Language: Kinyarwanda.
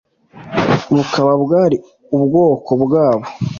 bukaba bwari ubwoko bwabo